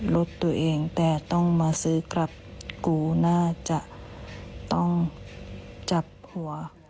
รถตัวเองแต่ต้องมาซื้อกลับกูน่าจะต้องจับหัว